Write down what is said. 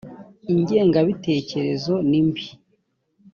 ingengabitekerezo nimbi.